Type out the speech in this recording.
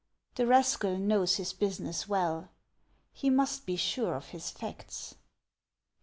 The rascal knows his business well ; he must be sure of his facts.